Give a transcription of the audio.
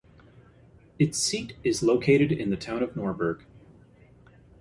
Its seat is located in the town of Norberg.